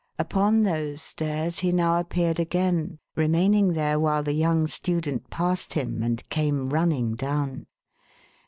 Upon those stairs he now appeared again; remaining there, while the young student passed him, and came running down.